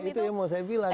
nah itu yang mau saya bilang